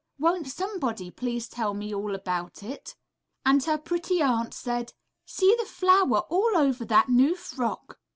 Won't somebody please tell me all about it?'' And her Pretty Aunt said, ``See the flour all over that new frock!''